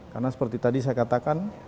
karena seperti tadi saya katakan